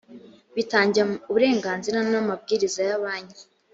bitangiwe uburenganzira n amabwiriza ya banki